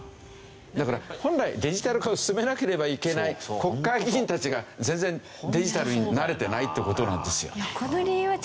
だから本来デジタル化を進めなければいけない国会議員たちが全然デジタルになれてないって事なんですよ。